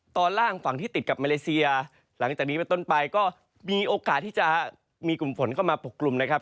ตอนล่างฝั่งที่ติดกับมาเลเซียหลังจากนี้เป็นต้นไปก็มีโอกาสที่จะมีกลุ่มฝนเข้ามาปกกลุ่มนะครับ